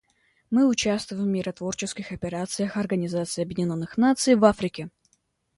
Мы участвуем в миротворческих операциях Организации Объединенных Наций в Африке.